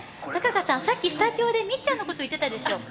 さっき、スタジオでみっちゃんのこと言ってたでしょ。